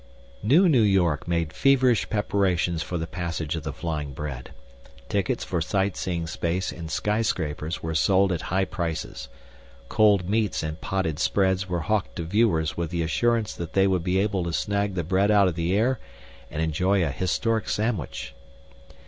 NewNew York made feverish preparations for the passage of the flying bread. Tickets for sightseeing space in skyscrapers were sold at high prices; cold meats and potted spreads were hawked to viewers with the assurance that they would be able to snag the bread out of the air and enjoy a historic sandwich.